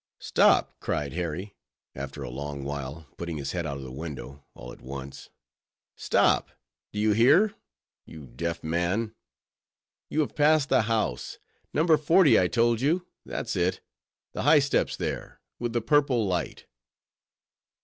"Stop," cried Harry, after a long while, putting his head out of the window, all at once—"stop! do you hear, you deaf man? you have passed the house—No. 40 I told you—that's it—the high steps there, with the purple light!"